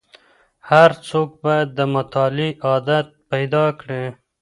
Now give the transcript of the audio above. هر څوک باید د مطالعې عادت پیدا کړي.